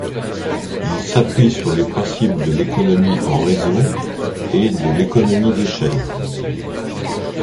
Il s'appuie sur les principes de l'économie en réseau, et de l'économie d'échelle.